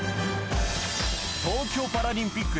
東京パラリンピック